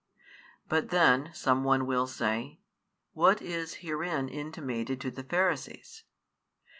But then, some one will say, what is herein intimated to the Pharisees?